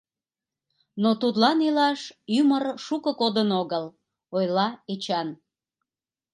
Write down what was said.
— Но тудлан илаш ӱмыр шуко кодын огыл, — ойла Эчан.